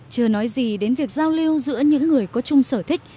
chưa nói gì đến việc giao lưu giữa những người có chung sở thích